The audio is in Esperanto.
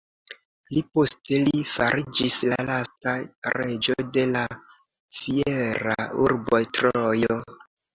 Pli poste li fariĝis la lasta reĝo de la fiera urbo Trojo.